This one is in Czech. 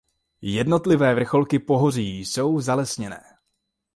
Jednotlivé vrcholky pohoří jsou zalesněné.